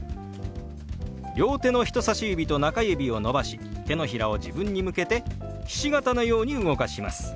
両手の人さし指と中指を伸ばし手のひらを自分に向けてひし形のように動かします。